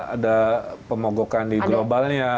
ada pemogokan di globalnya